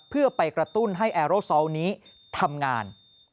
เพื่อไปกระตุ้นให้แอร์โรซอลนี้ทำงาน